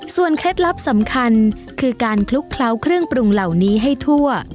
เคล็ดลับสำคัญคือการคลุกเคล้าเครื่องปรุงเหล่านี้ให้ทั่ว